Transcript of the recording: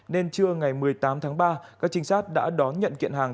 nên trưa ngày một mươi tám tháng ba các trinh sát đã đón nhận kiện hàng